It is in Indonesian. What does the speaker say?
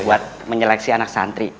buat menyeleksi anak santri